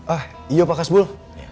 ah iya pak kasbul